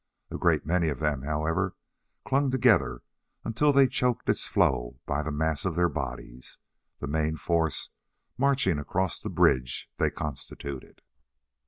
A great many of them, however, clung together until they chocked its flow by the mass of their bodies, the main force marching across the bridge they constituted.